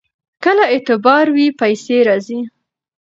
که اعتبار وي پیسې راځي.